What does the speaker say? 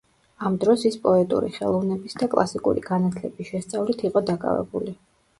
ამ დროს ის პოეტური ხელოვნების და კლასიკური განათლების შესწავლით იყო დაკავებული.